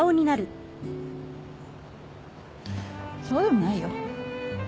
そうでもないよ。